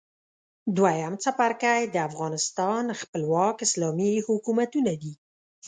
دویم څپرکی د افغانستان خپلواک اسلامي حکومتونه دي.